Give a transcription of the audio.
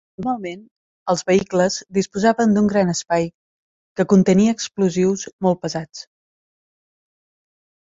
Normalment, els vehicles disposaven d'un gran espai que contenia explosius molt pesats.